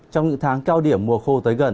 trong những tháng cao điểm mùa khô tới gần